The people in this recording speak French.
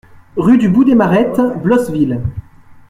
Rue du Bout des Marettes, Blosseville